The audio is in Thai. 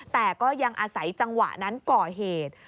แต่ก็ยังอาศัยจังหวะนั้นก่อเหตุ